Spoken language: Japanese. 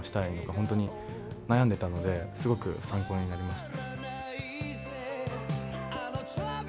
ほんとに悩んでいたのですごく参考になりました。